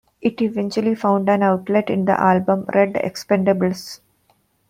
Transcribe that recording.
It eventually found an outlet in the album "Red Expendables".